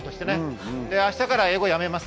明日から英語やめます。